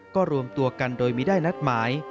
ก็รวมตัวกันโดยไม่ได้นัดหมาย